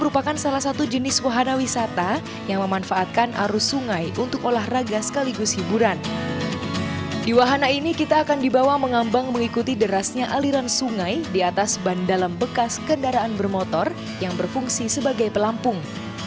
rifer tubing mengikuti derasnya aliran sungai di atas ban dalam bekas kendaraan bermotor yang berfungsi sebagai pelampung